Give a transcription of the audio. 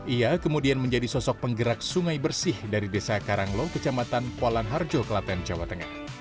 ia kemudian menjadi sosok penggerak sungai bersih dari desa karanglo kecamatan polan harjo kelaten jawa tengah